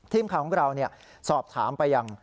ทีมข่าวของเราสอบถามไปยัง